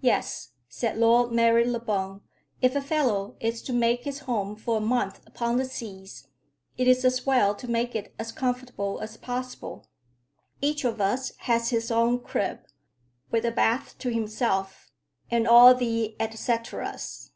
"Yes," said Lord Marylebone; "if a fellow is to make his home for a month upon the seas, it is as well to make it as comfortable as possible. Each of us has his own crib, with a bath to himself, and all the et ceteras.